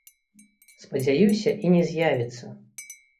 Спадзяюся, і не з'явіцца.